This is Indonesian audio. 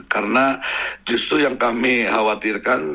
karena justru yang kami khawatirkan